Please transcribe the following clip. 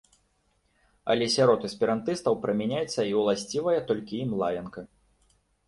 Але сярод эсперантыстаў прымяняецца і уласцівая толькі ім лаянка.